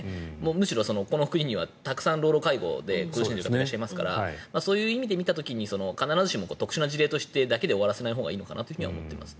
むしろこの国にはたくさん老老介護で苦しんでいる方もいますからそういう意味で見た時に必ずしも特殊な事例というだけで終わらせるべきではないかなと思います。